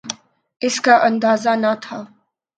اس کا اندازہ نہ تھا۔